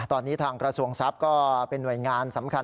ตอนนี้ทางกระทรวงทรัพย์ก็เป็นหน่วยงานสำคัญ